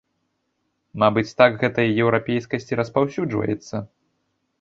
Мабыць, так гэтая еўрапейскасць і распаўсюджваецца.